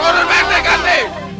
order pak rt ganti